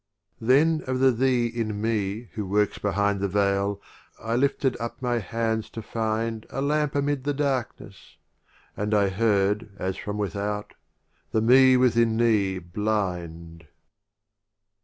XXXIV. Then of the Thee in Me who works behind The Veil, I lifted up my hands to find A Lamp amid the Darkness ; and I heard, As from Without — "The Me within Thee blind